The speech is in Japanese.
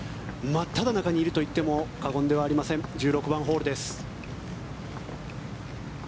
真っただ中にいるといっても過言ではありません１６番ホールです。